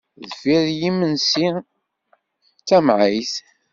Deffir n yimensi d tamɛayt.